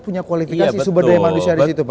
punya kualitas sumber daya manusia di situ pak ya